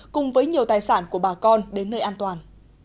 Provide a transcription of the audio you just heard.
cùng với nhiều tài sản của bà con đến nơi an toàn